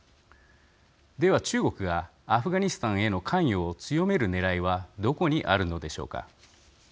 では、中国がアフガニスタンへの関与を強めるねらいはどこにあるのでしょうか。